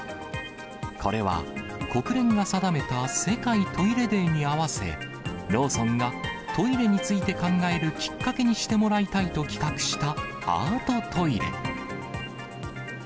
これは、国連が定めた世界トイレデーに合わせ、ローソンがトイレについて考えるきっかけにしてもらいたいと企画したアートトイレ。